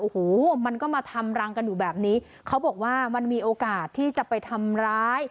โอ้โหมันก็มาทำรังกันอยู่แบบนี้เขาบอกว่ามันมีโอกาสที่จะไปทำร้าย